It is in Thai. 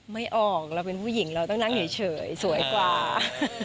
ไม่ออกเราเป็นผู้หญิงเราต้องนั่งเฉยสวยกว่า